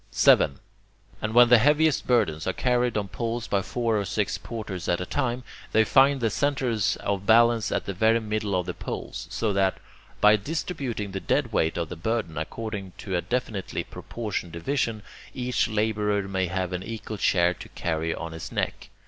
7. And when the heaviest burdens are carried on poles by four or six porters at a time, they find the centres of balance at the very middle of the poles, so that, by distributing the dead weight of the burden according to a definitely proportioned division, each labourer may have an equal share to carry on his neck.